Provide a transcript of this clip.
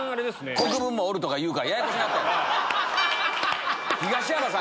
国分もおるとか言うから、ややこしなったやん。